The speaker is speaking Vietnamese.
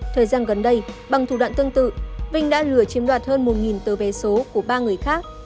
thời gian gần đây bằng thủ đoạn tương tự vinh đã lừa chiếm đoạt hơn một tờ vé số của ba người khác